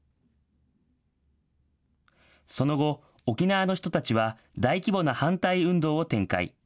その後、沖縄の人たちは大規模な反対運動を展開。